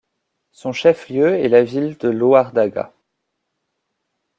Son chef-lieu est la ville de Lohardaga.